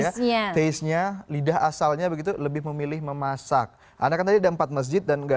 highestnya lidah asalnya begitu lebih memilih memasak ada ketahuan empat masjid dan enggak